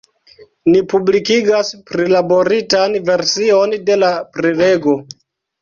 Ni publikigas prilaboritan version de la prelego.